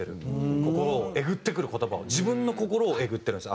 心をえぐってくる言葉を自分の心をえぐってるんですよ